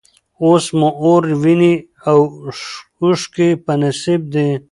اوس مو اور، ویني او اوښکي په نصیب دي